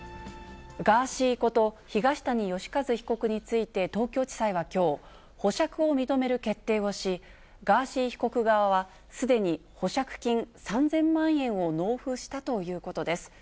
ガーシーこと、東谷義和被告について、東京地裁はきょう、保釈を認める決定をし、ガーシー被告側は、すでに保釈金３０００万円を納付したということです。